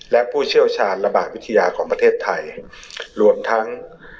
และผู้เชี่ยวชาญระบาดวิทยาของประเทศไทยรวมทั้ง